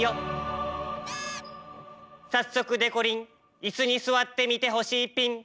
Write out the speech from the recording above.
さっそくでこりんイスにすわってみてほしいピン。